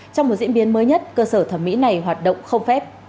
trong một diễn biến mới nhất cơ sở thẩm mỹ này hoạt động không phép